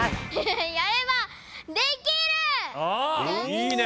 いいね！